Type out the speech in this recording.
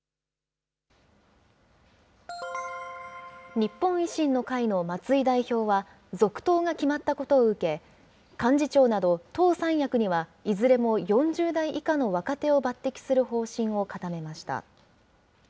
日本維新の会の松井代表は、続投が決まったことを受け、幹事長など党三役にはいずれも４０代以下の若手を抜てきする方針を固めました。